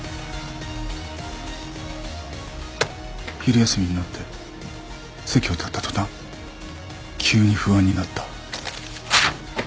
昼休みになって席を立った途端急に不安になった。